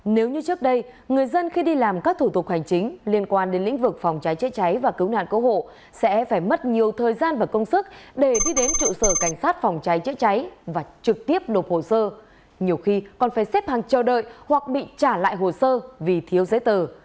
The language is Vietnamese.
nếu như trước đây người dân khi đi làm các thủ tục hành chính liên quan đến lĩnh vực phòng cháy chữa cháy và cứu nạn cứu hộ sẽ phải mất nhiều thời gian và công sức để đi đến trụ sở cảnh sát phòng cháy chữa cháy và trực tiếp đột hồ sơ nhiều khi còn phải xếp hàng chờ đợi hoặc bị trả lại hồ sơ vì thiếu giấy tờ